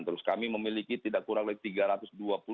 terus kami memiliki tidak kurang dari tiga ratus dua puluh